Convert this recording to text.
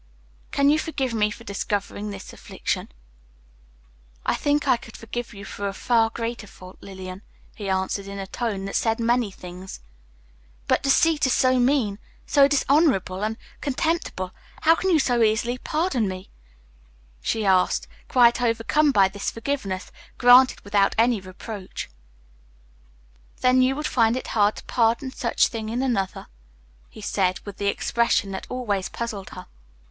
"Can you forgive me for discovering this affliction?" "I think I could forgive you a far greater fault, Lillian," he answered, in a tone that said many things. "But deceit is so mean, so dishonorable and contemptible, how can you so easily pardon it in me?" she asked, quite overcome by this forgiveness, granted without any reproach. "Then you would find it hard to pardon such a thing in another?" he said, with the expression that always puzzled her.